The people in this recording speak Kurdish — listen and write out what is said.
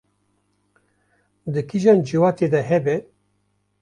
di kîjan ciwatê de hebe